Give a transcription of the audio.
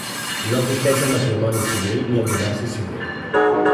No existeix el matrimoni civil ni el divorci civil.